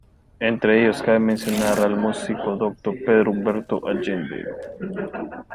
Entre ellos cabe mencionar al músico docto Pedro Humberto Allende.